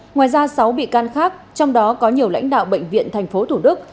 ngoài ra sáu bị can khác trong đó có nhiều lãnh đạo bệnh viện tp thủ đức